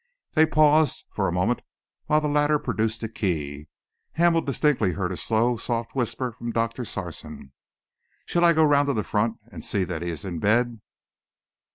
They paused for a moment while the latter produced a key. Hamel distinctly heard a slow, soft whisper from Doctor Sarson. "Shall I go round to the front and see that he is in bed?"